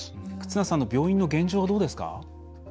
忽那さんの病院の現状はどうですか？